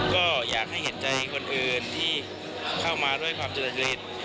ก็อยากให้เห็นใจคนอื่นที่เข้ามาด้วยความเจริญจริต